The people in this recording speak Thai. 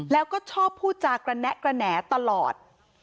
แล้วก็ชอบพูดจากแกระแนะตลอด